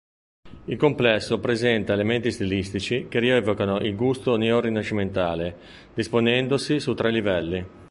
Il complesso presenta elementi stilistici che rievocano il gusto neorinascimentale, disponendosi su tre livelli.